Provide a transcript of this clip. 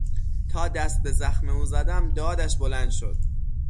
تا دست به زخم او زدم دادش بلند شد.